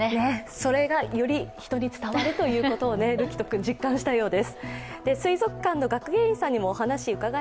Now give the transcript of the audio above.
それが、より人に伝わるということを、瑠煌斗君は実感したようです。